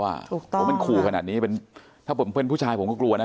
เพราะมันขู่ขนาดนี้ถ้าผมเป็นผู้ชายผมก็กลัวนะ